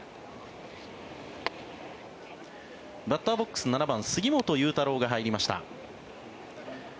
バッターボックス７番、杉本裕太郎が入りました。